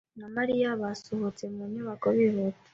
na Mariya basohotse mu nyubako bihuta.